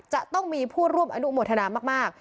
จะต้องมีผู้ร่วมอนุโมทนามาก